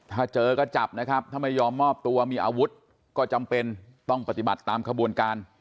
ถ้าเจอก็จับนะครับถ้าไม่ยอมมอบตัวมีอาวุธก็จำเป็นต้องปฏิบัติตามขบวนการ